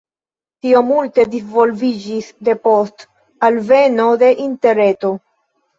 Tio multe disvolviĝis depost alveno de interreto.